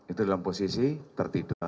itu dalam posisi tertidur